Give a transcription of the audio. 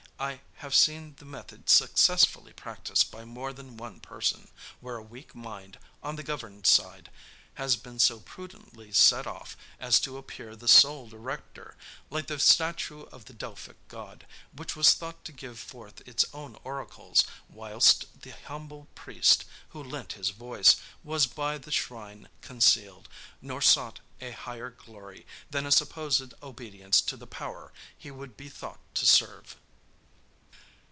I have seen the method successfully practised by more than one person, where a weak mind, on the governed side, has been so prudently set off as to appear the sole director; like the statue of the Delphic god, which was thought to give forth its own oracles, whilst the humble priest, who lent his voice, was by the shrine concealed, nor sought a higher glory than a supposed obedience to the power he would be thought to serve."